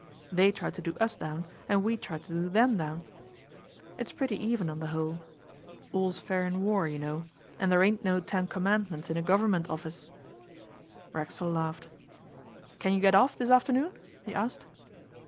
They try to do us down, and we try to do them down it's pretty even on the whole. All's fair in war, you know, and there ain't no ten commandments in a Government office.' Racksole laughed. 'Can you get off this afternoon?' he asked.